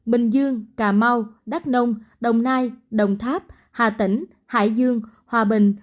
bình dương cà mau đắk nông đồng nai đồng tháp hà tĩnh hải dương hòa bình